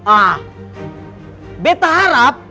ah beta harap